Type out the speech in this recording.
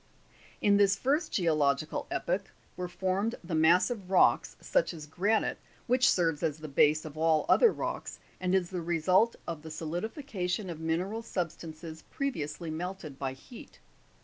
In. this first geological epoch were formed the massive rocks, such as granite, which serves as the base of all other rocks, and is the result of the solidification of mineral substances previously melted by heat.